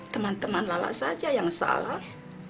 teman teman lala saja yang salah